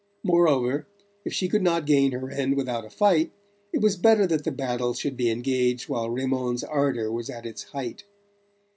Moreover, if she could not gain her end without a fight it was better that the battle should be engaged while Raymond's ardour was at its height.